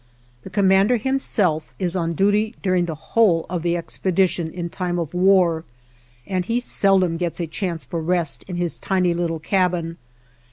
The commander, himself, is on duty during the whole of the expedition in time of war, and he seldom gets a chance for rest in his tiny little cabin.